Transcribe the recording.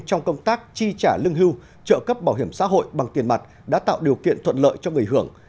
trong công tác chi trả lương hưu trợ cấp bảo hiểm xã hội bằng tiền mặt đã tạo điều kiện thuận lợi cho người hưởng